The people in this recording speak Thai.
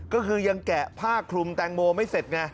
ก็คือยังแกะผ้าคลุมแตงโมไม่เสร็จไง